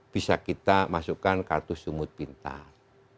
bisa kita masukkan kartu sumut pintar